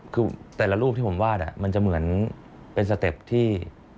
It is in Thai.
คือแต่ละรูปที่ผมวาดมันจะเหมือนเป็นสเต็ปที่